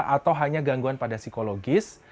atau hanya gangguan pada psikologis